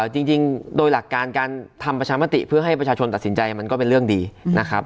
จริงโดยหลักการการทำประชามติเพื่อให้ประชาชนตัดสินใจมันก็เป็นเรื่องดีนะครับ